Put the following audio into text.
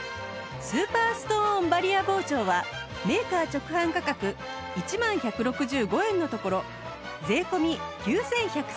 スーパーストーンバリア包丁はメーカー直販価格１万１６５円のところ税込９１３０円